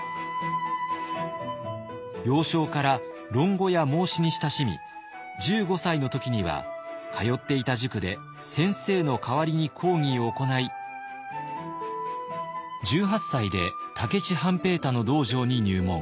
幼少から論語や孟子に親しみ１５歳の時には通っていた塾で先生の代わりに講義を行い１８歳で武市半平太の道場に入門。